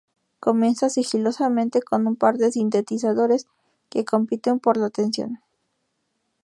Comienza "sigilosamente", con un par de sintetizadores que "compiten por la atención".